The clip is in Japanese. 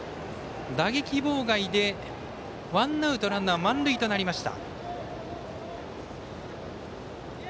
打撃妨害で、ワンアウトランナー満塁となりました。